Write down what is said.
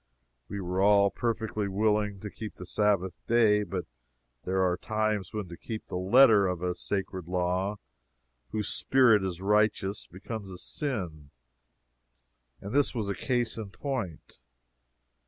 We were all perfectly willing to keep the Sabbath day, but there are times when to keep the letter of a sacred law whose spirit is righteous, becomes a sin, and this was a case in point.